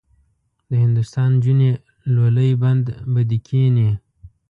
د هندوستان نجونې لولۍ بند به دې کیني.